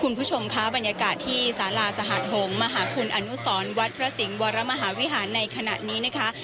คุณผู้ชมค่ะบรรยากาศที่สาราสหัสหงษ์มหาคุณอนุสรวัดพระสิงห์วรมหาวิหารในขณะนี้นะคะ